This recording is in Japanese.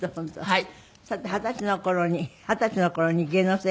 はい。